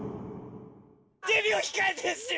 デビューを控えてんすよ！